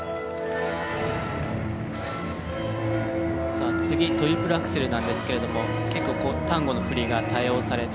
さあ次トリプルアクセルなんですけれども結構タンゴの振りが多用されて。